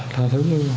thấy hối hận